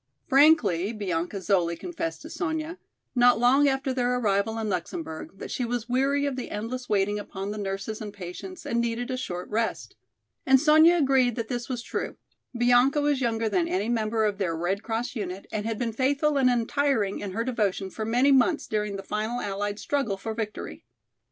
Frankly Bianca Zoli confessed to Sonya, not long after their arrival in Luxemburg, that she was weary of the endless waiting upon the nurses and patients and needed a short rest. And Sonya agreed that this was true. Bianca was younger than any member of their Red Cross unit and had been faithful and untiring in her devotion for many months during the final allied struggle for victory.